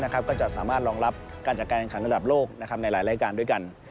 ก็จะสามารถรองรับการจัดการแข่งขันระดับโลกในหลายรายการด้วยกัน